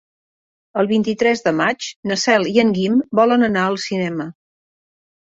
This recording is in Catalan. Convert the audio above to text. El vint-i-tres de maig na Cel i en Guim volen anar al cinema.